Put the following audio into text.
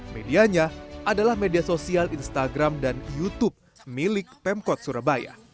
medianya adalah media sosial instagram dan youtube milik pemkot surabaya